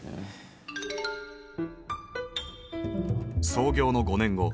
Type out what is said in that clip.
創業の５年後。